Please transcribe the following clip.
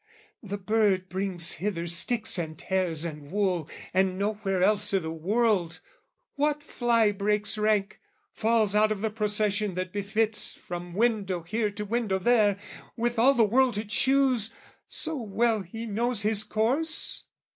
"The bird brings hither sticks and hairs and wool, "And nowhere else i' the world; what fly breaks rank, "Falls out of the procession that befits, "From window here to window there, with all "The world to choose, so well he knows his course?